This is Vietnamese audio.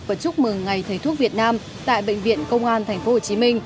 và chúc mừng ngày thầy thuốc việt nam tại bệnh viện công an tp hcm